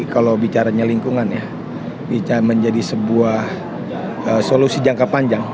kalau bicaranya lingkungan ya bisa menjadi sebuah solusi jangka panjang